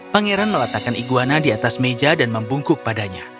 pangeran meletakkan iguana di atas meja dan membungkuk padanya